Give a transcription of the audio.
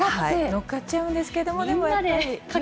乗っかっちゃうんですけど、でもやっぱり。